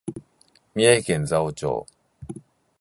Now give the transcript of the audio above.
宮城県蔵王町